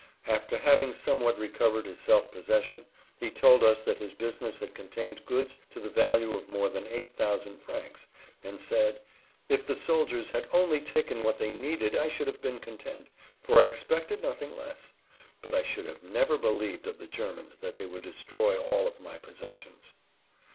After having somewhat recovered his self possession he told us that his business had contained goods to the value of more than 8000 francs, and said: "If the soldiers had only taken what they needed I should have been content, for I expected nothing less; but I should have never believed of the Germans that they would destroy all of my possessions."